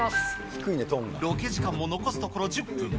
ロケ時間も残すところ１０分。